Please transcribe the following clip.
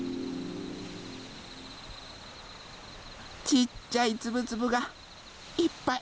ちっちゃいつぶつぶがいっぱい。